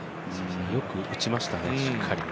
よく打ちましたね、しっかり。